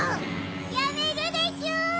やめるでちゅ！